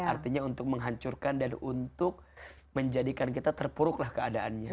artinya untuk menghancurkan dan untuk menjadikan kita terpuruklah keadaannya